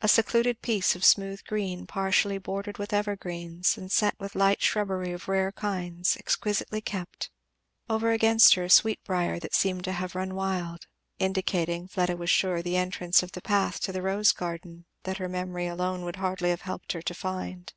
A secluded piece of smooth green, partially bordered with evergreens and set with light shrubbery of rare kinds, exquisitely kept; over against her a sweetbriar that seemed to have run wild, indicating, Fleda was sure, the entrance of the path to the rose garden, that her memory alone would hardly have helped her to find.